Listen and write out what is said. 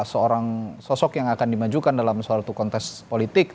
seorang sosok yang akan dimajukan dalam suatu kontes politik